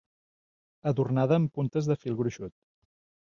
Adornada amb puntes de fil gruixut.